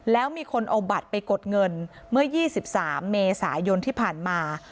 แล้วมีคนเอาบัตรไปกดเงินเมื่อ๒๓เมษายนที่ผ่านมา